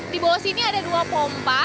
di bawah sini ada dua pompa